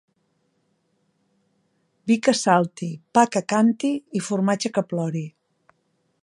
Vi que salti, pa que canti i formatge que plori.